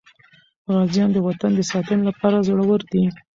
غازیان د وطن د ساتنې لپاره زړور دي.